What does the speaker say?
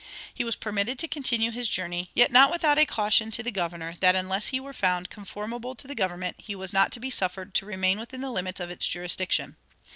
He was permitted to continue his journey, yet not without a caution to the governor that unless he were found "conformable to the government" he was not to be suffered to remain within the limits of its jurisdiction.